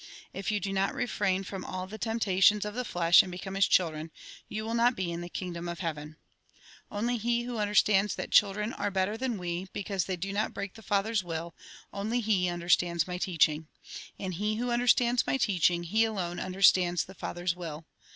If you do not re frain from all the temptations of the flesh, and become as children, you will not be in the kingdom of heaven. s 114 THE GOSPEL IN BRIEF " Only he who understands that children are better than we, because they do not break the Father's will, only he understands my teaching. And he who understands my teaching, he alone understands the Father's will.